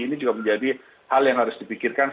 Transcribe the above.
ini juga menjadi hal yang harus dipikirkan